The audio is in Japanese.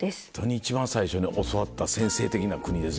一番最初に教わった先生的な国ですね。